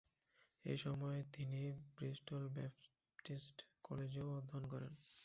এ সময় তিনি Bristol Baptist কলেজেও অধ্যয়ন করেন।